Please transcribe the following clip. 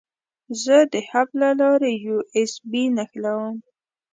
زه د هب له لارې یو ایس بي نښلوم.